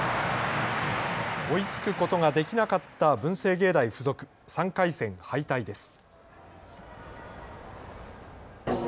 追いつくことができなかった文星芸大付属、３回戦敗退です。